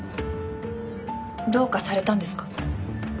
どうかされたんですか？